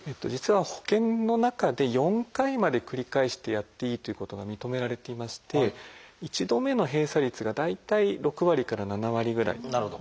実は保険の中で４回まで繰り返してやっていいということが認められていまして１度目の閉鎖率が大体６割から７割ぐらい。